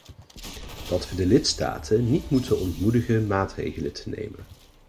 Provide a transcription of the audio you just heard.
Dat we de lidstaten niet moeten ontmoedigen maatregelen te nemen.